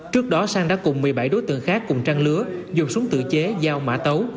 trước đó sang đã cùng một mươi bảy đối tượng khác cùng trang lứa dùng súng tự chế dao mã tấu